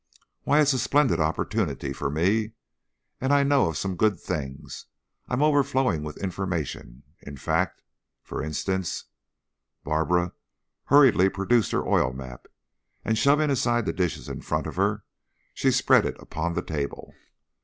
"Why it's a splendid opportunity for me. And I know of some good things; I'm overflowing with information, in fact. For instance " Barbara hurriedly produced her oil map and, shoving aside the dishes in front of her, she spread it upon the table.